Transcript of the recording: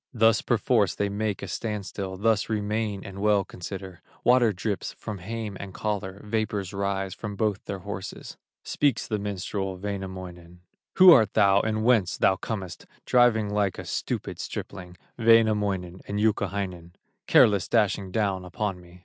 Thus perforce they make a stand still, Thus remain and well consider; Water drips from hame and collar, Vapors rise from both their horses. Speaks the minstrel, Wainamoinen: "Who art thou, and whence? Thou comest Driving like a stupid stripling, Careless, dashing down upon me.